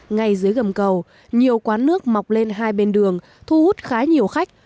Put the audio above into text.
ngay dưới gầm cầu nhiều quán nước mọc lên hai bên đường thu hút khá nhiều khách